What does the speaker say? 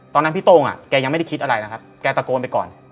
ตอนนั้นพี่โต้งแกยังไม่ได้คิดอะไรนะครับแกตะโกนไปก่อน